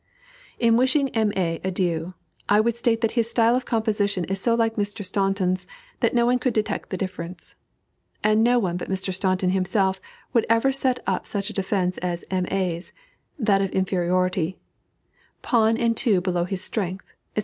In wishing "M. A." adieu, I would state that his style of composition is so like Mr. Staunton's that no one could detect the difference. And no one but Mr. Staunton himself would ever set up such a defence as "M. A.'s" that of inferiority, "Pawn and two below his strength," &c.